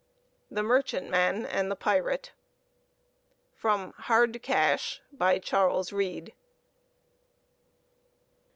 THE MERCHANTMAN AND THE PIRATE (From Hard Cash.) By CHARLES READE.